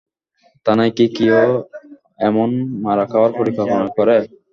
থানায় কী কেউ এমন মারা খাওয়ার পরিকল্পনা করে?